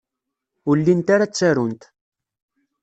Ur llint ara ttarunt.